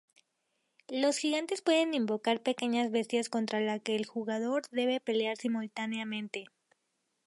Los gigantes pueden invocar pequeñas bestias contra las que el jugador debe pelear simultáneamente.